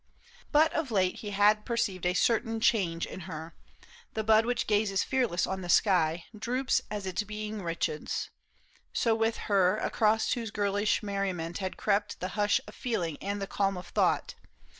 But of late He had perceived a certain change in her ; The bud which gazes fearless on the sky Droops as its being richens ; so with her Across whose girlish merriment had crept The hush of feeling and the calm of thought.